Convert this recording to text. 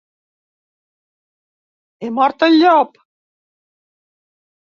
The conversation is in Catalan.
He mort el llop!